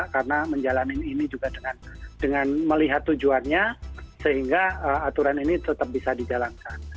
karena menjalani ini juga dengan melihat tujuannya sehingga aturan ini tetap bisa dijalankan